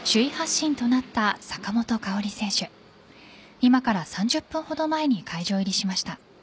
今から３０分ほど前に会場入りしました。